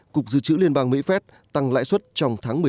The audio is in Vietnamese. cục dự trữ liên bang mỹ phép tăng lãi suất trong tháng một mươi hai tới